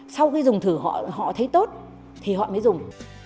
sau khi dùng thử họ thấy tốt thì họ mới dùng